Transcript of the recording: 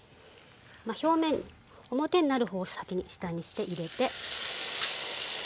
表面表になる方を先に下にして入れて。